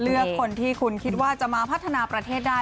เลือกคนที่คุณคิดว่าจะมาพัฒนาประเทศได้